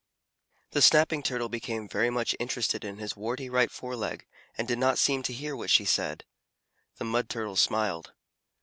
The Snapping Turtle became very much interested in his warty right foreleg, and did not seem to hear what she said. The Mud Turtle smiled.